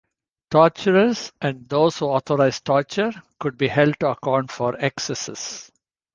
Torturers, and those who authorize torture, could be held to account for excesses.